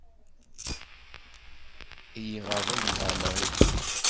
I y-iɣaḍen d leɛmer-iw.